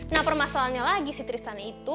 nah permasalahannya lagi sih tristana itu